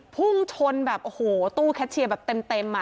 พุ่งชนแบบโอ้โหตู้แคชเชียร์แบบเต็มอ่ะ